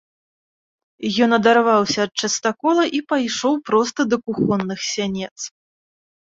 Ён адарваўся ад частакола і пайшоў проста да кухонных сянец.